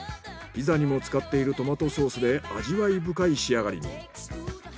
ピザにも使っているトマトソースで味わい深い仕上がりに。